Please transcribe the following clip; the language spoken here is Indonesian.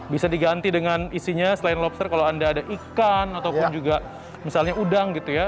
bisa diganti dengan isinya selain lobster kalau anda ada ikan ataupun juga misalnya udang gitu ya